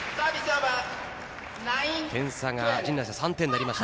点差が３点になりました。